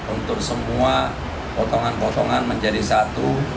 untuk semua potongan potongan menjadi satu